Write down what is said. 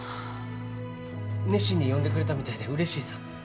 熱心に読んでくれたみたいでうれしいさ。